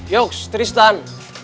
yuk setiris tan